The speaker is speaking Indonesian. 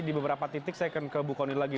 di beberapa titik saya akan ke bukoni lagi